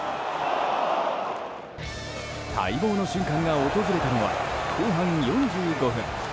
待望の瞬間が訪れたのは後半４５分。